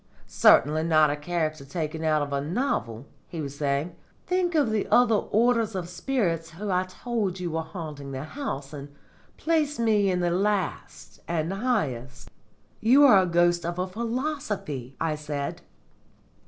"Certainly not a character taken out of a novel," he was saying. "Think of the other orders of spirits who I told you were haunting the house, and place me in the last and highest." "You are the ghost of a philosophy!" I said.